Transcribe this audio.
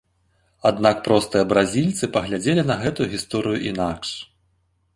Аднак простыя бразільцы паглядзелі на гэтую гісторыю інакш.